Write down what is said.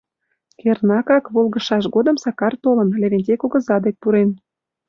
Кернакак, волгыжшаш годым Сакар толын, Левентей кугыза дек пурен.